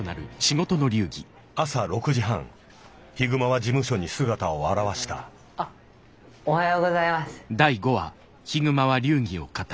朝６時半悲熊は事務所に姿を現したあっおはようございます。